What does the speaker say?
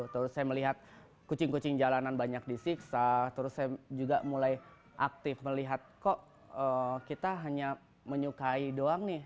terus saya melihat kucing kucing jalanan banyak disiksa terus saya juga mulai aktif melihat kok kita hanya menyukai doang nih